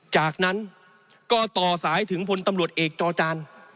จากนั้นก็ต่อสายถึงพลตำรวจเอกจอจาน